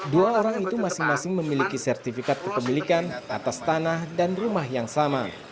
dua orang itu masing masing memiliki sertifikat kepemilikan atas tanah dan rumah yang sama